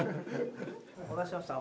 お待たせしました。